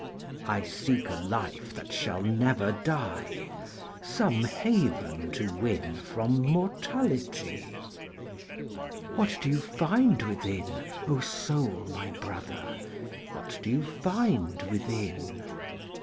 I seek a Life that shall never die, Some haven to winFrom mortality. What do you find within, O Soul, my Brother? What do you find within?